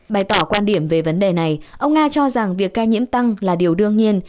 bày tỏ quan điểm về vấn đề này ông nga cho rằng việc ca nhiễm tăng là điều đương nhiên